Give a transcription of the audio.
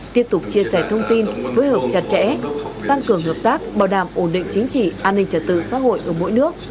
tiếp tục chia sẻ thông tin phối hợp chặt chẽ tăng cường hợp tác bảo đảm ổn định chính trị an ninh trật tự xã hội ở mỗi nước